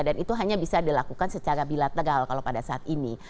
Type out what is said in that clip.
dan itu hanya bisa dilakukan secara bilateral kalau pada saat ini